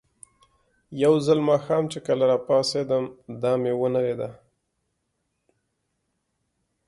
یو ځل ماښام چې کله راپاڅېدم، دا مې ونه لیدله.